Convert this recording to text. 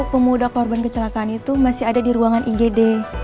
pemuda korban kecelakaan itu masih ada di ruangan igd